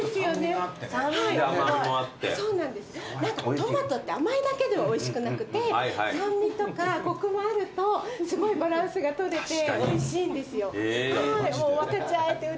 トマトって甘いだけではおいしくなくて酸味とかコクもあるとすごいバランスが取れておいしいんですよ。